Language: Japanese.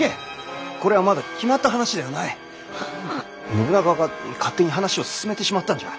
信長が勝手に話を進めてしまったんじゃ。